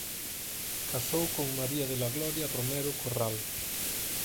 Casou con María de la Gloria Romero Corral.